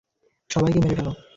সবাইকে মেরে ফেলো!